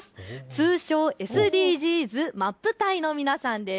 通称、ＳＤＧｓマップ隊の皆さんです。